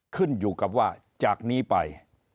ขึ้นอยู่กับว่าจากนี้ไป